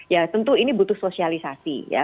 ya tentu ini butuh sosialisasi ya